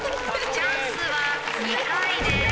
チャンスは２回です。